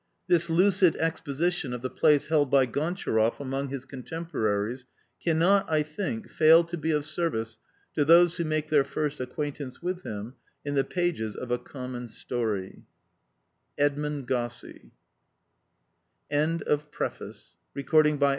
This lucid exposition of the place held by Gontcharoff among his contemporaries cannot, I think, fail to be of service to those who make their first acquaintance with him in the pages of A Common Story.